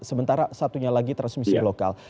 sementara satunya lagi transmisi lokal